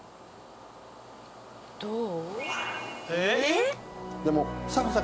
どう？